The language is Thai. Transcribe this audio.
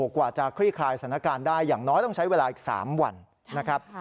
กว่าจะคลี่คลายสถานการณ์ได้อย่างน้อยต้องใช้เวลาอีก๓วันนะครับ